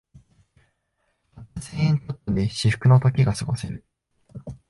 たった千円ちょっとで至福の時がすごせる